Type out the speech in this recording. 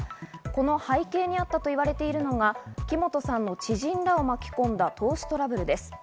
この背景にあったと言われているのが木本さんの知人らを巻き込んだ投資トラブルです。